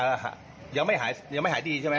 ยังไม่หายดีใช่ไหมคะยังไม่หายดีเท่าไรค่ะ